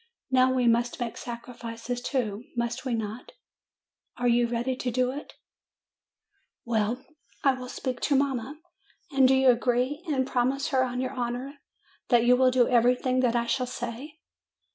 Now we must make sacrifices, too, must we not ? Are you ready to do it ? Well, I will 1C t i ' 248 MAY speak to mamma, and do you agree, and promise her on your honor that you will do everything that I shall say."